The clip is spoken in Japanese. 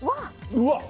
うわっ！